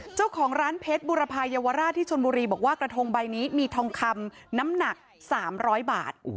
เจ้าของร้านเพชรบุรพายาวราชที่ชนบุรีบอกว่ากระทงใบนี้มีทองคำน้ำหนัก๓๐๐บาท